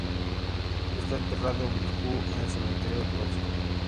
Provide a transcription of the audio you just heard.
Está enterrado en Moscú, en el cementerio Donskói.